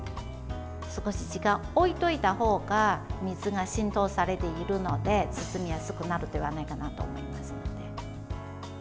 少し時間を置いておいた方が水が浸透されているので包みやすくなるんじゃないかなと思いますので。